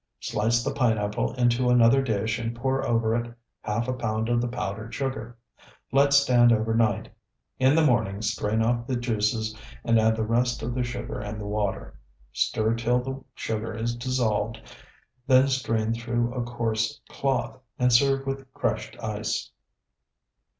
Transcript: Slice the pineapple into another dish and pour over it half a pound of the powdered sugar. Let stand overnight. In the morning strain off the juices and add the rest of the sugar and the water. Stir till the sugar is dissolved, then strain through a coarse cloth, and serve with crushed ice.